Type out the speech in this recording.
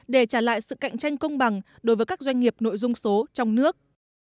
để trả lại sự cạnh tranh công bằng đối với các doanh nghiệp nội dung số trong nước